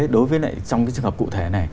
đối với trong cái trường hợp cụ thể này